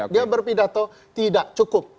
dia berpidato tidak cukup